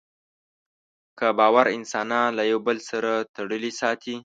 ګډ باور انسانان له یوه بل سره تړلي ساتي.